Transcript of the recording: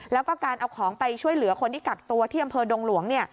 แล้วก็การเอาของไปช่วยเหลือคนที่กักตัวที่อำเภอดงหลวง